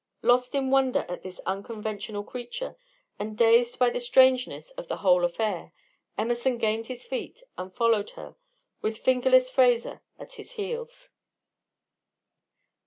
Lost in wonder at this unconventional creature, and dazed by the strangeness of the whole affair, Emerson gained his feet and followed her, with "Fingerless" Fraser at his heels.